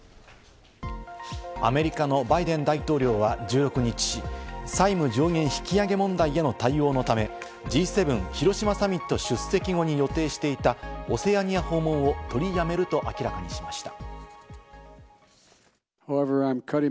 アメリカのバイデン大統領は１６日、債務上限引き上げ問題への対応のため、Ｇ７広島サミット出席後に予定していたオセアニア訪問を取りやめると明らかにしました。